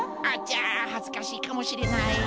あちゃはずかしいかもしれない。